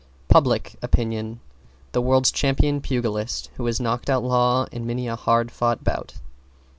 =PUBLIC OPINION= The world's champion pugilist, who has knocked out Law in many a hard fought bout.